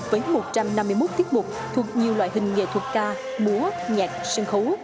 với một trăm năm mươi một tiết mục thuộc nhiều loại hình nghệ thuật ca múa nhạc sân khấu